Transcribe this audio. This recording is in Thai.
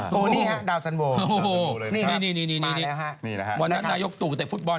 โหนี่ฮะดาวสันโว